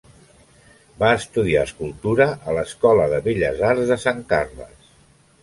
Va estudiar escultura a l'Escola de Belles Arts de Sant Carles.